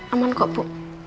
aman kok bu